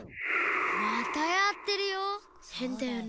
またやってるよ。